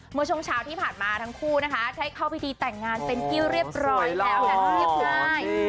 เมื่อช่วงเช้าที่ผ่านมาทั้งคู่นะคะได้เข้าพิธีแต่งงานเป็นที่เรียบร้อยแล้วและเรียบง่าย